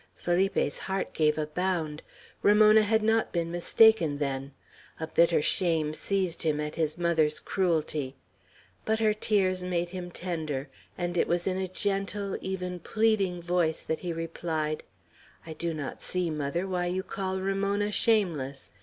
Felipe's heart gave a bound; Ramona had not been mistaken, then. A bitter shame seized him at his mother's cruelty. But her tears made him tender; and it was in a gentle, even pleading voice that he replied: "I do not see, mother, why you call Ramona shameless.